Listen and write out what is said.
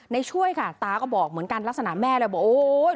ช่วยค่ะตาก็บอกเหมือนกันลักษณะแม่เลยบอกโอ๊ย